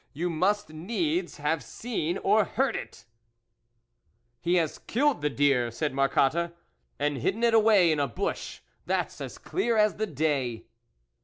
You must needs have seen or heard it !" "He has killed the deer," said Mar cotte "and hidden it away in a bush, that's as clear as the day."